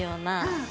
うん。